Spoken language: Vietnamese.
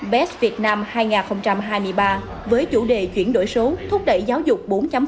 best việt nam hai nghìn hai mươi ba với chủ đề chuyển đổi số thúc đẩy giáo dục bốn